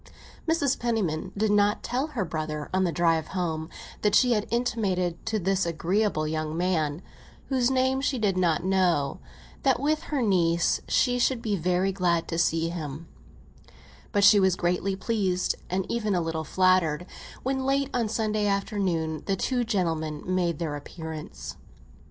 Mrs. Penniman did not tell her brother, on the drive home, that she had intimated to this agreeable young man, whose name she did not know, that, with her niece, she should be very glad to see him; but she was greatly pleased, and even a little flattered, when, late on a Sunday afternoon, the two gentlemen made their appearance.